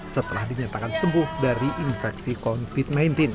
setelah dinyatakan sembuh dari infeksi covid sembilan belas